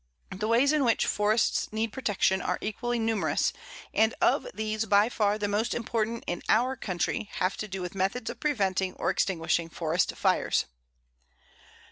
The ways in which forests need protection are equally numerous, and of these by far the most important in our country have to do with methods of preventing or extinguishing forest fires.